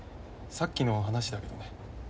さっきの話だけどね。